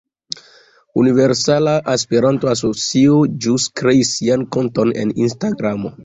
Universala Esperanto-Asocio ĵus kreis sian konton en Instagramo.